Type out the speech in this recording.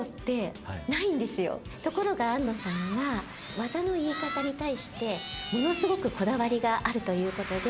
ところが庵野さんが技の言い方に対してものすごくこだわりがあるということで。